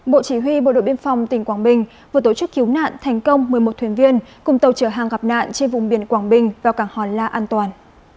bộ chỉ huy bộ đội biên phòng tỉnh quảng bình vừa tổ chức cứu nạn thành công một mươi một thuyền viên cùng tàu chở hàng gặp nạn trên vùng biển quảng bình vào cảng hòn la an toàn